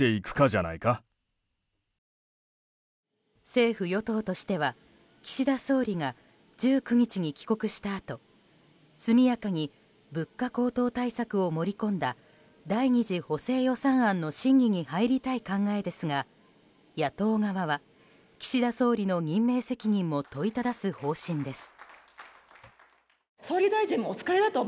政府・与党としては岸田総理が１９日に帰国したあと速やかに物価高騰対策を盛り込んだ第２次補正予算案の審議に入りたい考えですが野党側は岸田総理の任命責任も問いただす方針です。